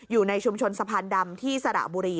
อยู่ในชุมชนสะพานดำที่สระบุรี